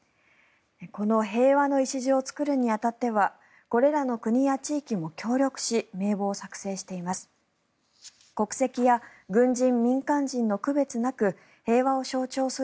この平和の礎を作るに当たってはこれらの国や地域も協力し名簿を作成しています。